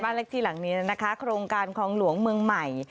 เลขที่หลังนี้นะคะโครงการคลองหลวงเมืองใหม่